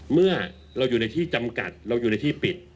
เมื่อเราอยู่ในที่จำกัดเราอยู่ในที่ปิด